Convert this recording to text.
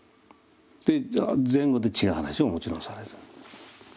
で前後で違う話ももちろんされる。